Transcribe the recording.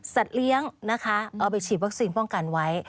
สัตว์เลี้ยงเอาไปฉีดวัคซีนป้องกันไว้